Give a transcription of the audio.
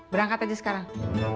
berangkat aja sekarang